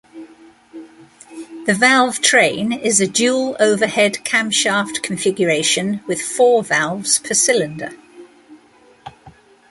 The valve train is a dual overhead camshaft configuration with four valves per cylinder.